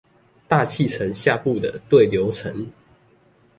大氣層下部的對流層